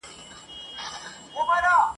تاته چي سجده لېږم څوک خو به څه نه وايي !.